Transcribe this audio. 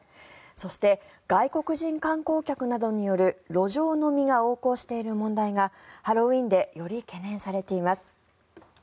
そして、外国人観光客などによる路上飲みが横行している問題がハロウィーンでより懸念されています。